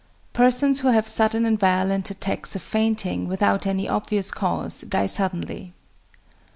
"Persons who have sudden and violent attacks of fainting without any obvious cause die suddenly."